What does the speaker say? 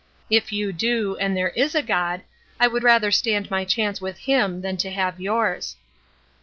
If you do, and there is a God, I would rather stand my chance with him than to have yours."